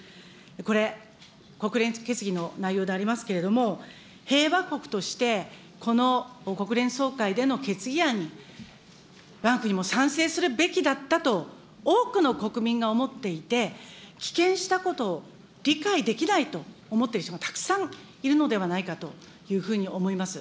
これ、国連決議の内容でありますけれども、平和国としてこの国連総会での決議案にわが国も賛成するべきだったと、多くの国民が思っていて、棄権したことを理解できないと思ってる人がたくさんいるのではないかというふうに思います。